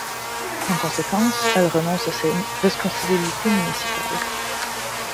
En conséquence, elle renonce à ses responsabilités municipales.